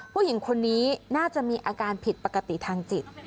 ผู้หญิงคนนี้น่าจะมีอาการผิดปกติทางจิต